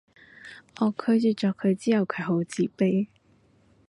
我拒絕咗佢之後佢好自卑